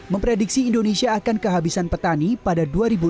memprediksi indonesia akan kehabisan petani pada dua ribu lima puluh